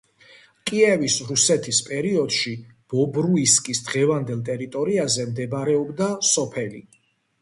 კიევის რუსეთის პერიოდში, ბობრუისკის დღევანდელ ტერიტორიაზე, მდებარეობდა სოფელი.